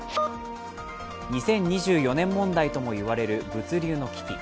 ２０２４年問題ともいわれる物流の危機。